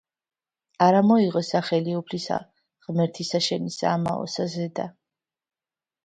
არა მოიღო სახელი უფლისა ღმრთისა შენისა ამაოსა ზედა..